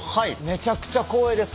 めちゃくちゃ光栄です。